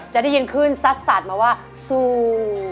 จะได้ยินคลื่นซัดมาว่าซู